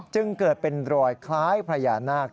จึงเกิดเป็นรอยคล้ายพญานาค